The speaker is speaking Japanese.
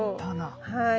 はい。